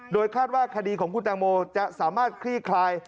โดยคาดว่าคดีของคุณแตงโมจะสามารถคลี่คลาย